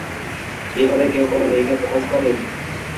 এভাবে কেউ কোন মেয়েকে প্রোপোজ করে?